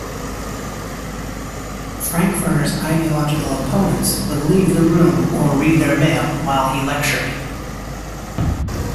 Frankfurter's ideological opponents would leave the room or read their mail while he lectured.